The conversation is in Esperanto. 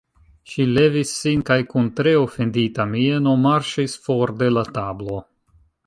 Ŝi levis sin kaj kun tre ofendita mieno marŝis for de la tablo.